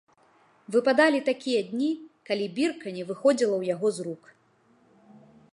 Выпадалі такія дні, калі бірка не выходзіла ў яго з рук.